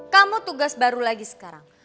kamu tugas baru lagi sekarang